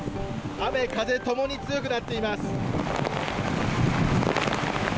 雨、風ともに強くなっています。